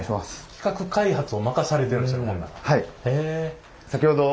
企画開発を任されてるんですねほんなら。